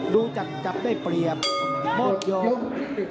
ดูจัดจับได้เปรียบโมดโยง